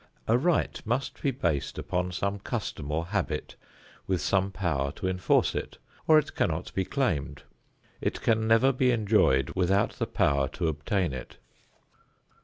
A right must be based upon some custom or habit with some power to enforce it, or it cannot be claimed. It can never be enjoyed without the power to obtain it.